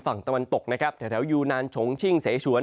ฝั่งตะวันตกนะครับแถวยูนานฉงชิ่งเสชวน